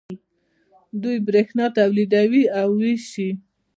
دوی بریښنا تولیدوي او ویشي.